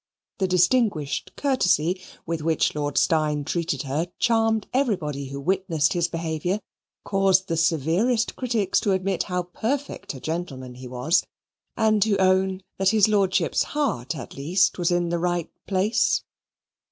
The distinguished courtesy with which Lord Steyne treated her charmed everybody who witnessed his behaviour, caused the severest critics to admit how perfect a gentleman he was, and to own that his Lordship's heart at least was in the right place.